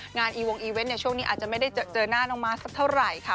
งานเนี้ยช่วงนี้อาจจะไม่ได้เจอเจอหน้าน้องมาสักเท่าไหร่ค่ะ